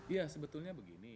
iya sebetulnya begini